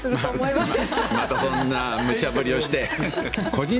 またそんな無茶ぶりをして。